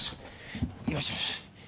よしよし。